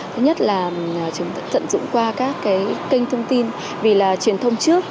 thứ nhất là chúng tận dụng qua các cái kênh thông tin vì là truyền thông trước